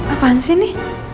apaan sih ini